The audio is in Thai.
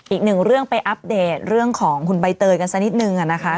อีกหนึ่งเรื่องไปอัปเดตเรื่องของคุณใบเตยกันสักนิดนึงนะคะ